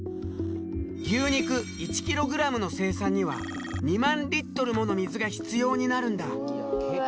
牛肉１キログラムの生産には２万リットルもの水が必要になるんだ。